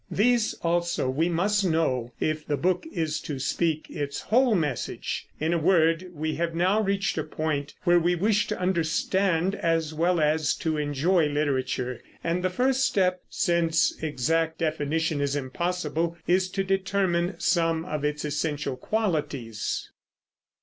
These also we must know, if the book is to speak its whole message. In a word, we have now reached a point where we wish to understand as well as to enjoy literature; and the first step, since exact definition is impossible, is to determine some of its essential qualities.